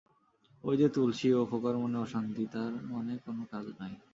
ঐ যে তুলসী ও খোকার মনের অশান্তি, তার মানে কোন কাজ নাই।